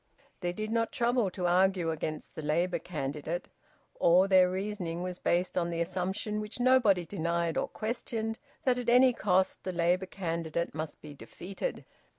They did not trouble to argue against the Labour candidate. All their reasoning was based on the assumption, which nobody denied or questioned, that at any cost the Labour candidate must be defeated.